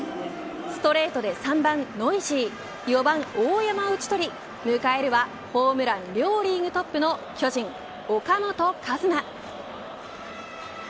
ストレートで３番ノイジー４番大山を討ち取り迎えるはホームラン両リーグトップの巨人、岡本和真。